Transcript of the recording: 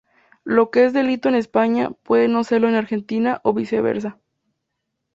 Lo que es ´delito´ en España, puede no serlo en Argentina o viceversa.